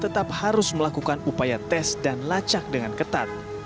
tetap harus melakukan upaya tes dan lacak dengan ketat